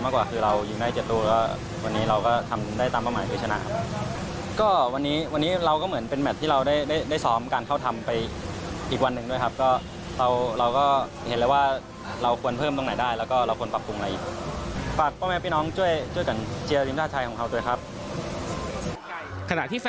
ขณะที่แฟนชาวไทยเกมนี้แม้จะมาช่วยกันอีกครั้ง